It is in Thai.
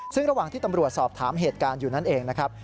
ซึ่งระหว่างที่ตำรวจสอบถามเหตุการณ์อยู่นั่นเองนะครับ